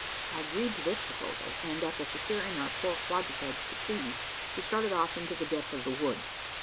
I agreed to this proposal; and, after securing our four quadrupeds to trees, we started off into the depth of the woods.